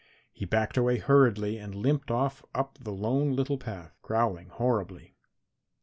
He backed away hurriedly and limped off up the Lone Little Path, growling horribly.